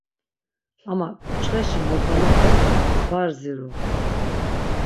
Ama ǩuçxeşi modvalape var ziru.